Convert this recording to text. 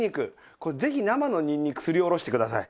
これぜひ生のにんにくすりおろしてください。